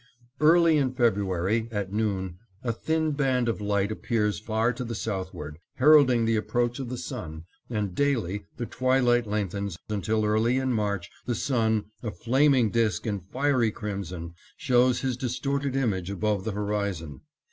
Early in February, at noon, a thin band of light appears far to the southward, heralding the approach of the sun, and daily the twilight lengthens, until early in March, the sun, a flaming disk of fiery crimson, shows his distorted image above the horizon.